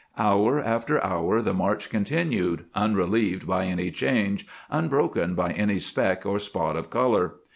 Hour after hour the march continued, unrelieved by any change, unbroken by any speck or spot of color.